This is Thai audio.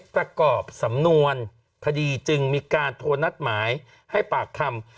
ประกอบสำนวนคดีจึงมีการโทรนัดหมายให้ปากคำ